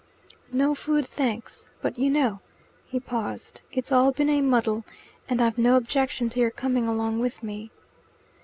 "No food, thanks. But you know" He paused. "It's all been a muddle, and I've no objection to your coming along with me."